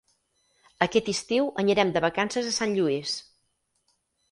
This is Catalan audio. Aquest estiu anirem de vacances a Sant Lluís.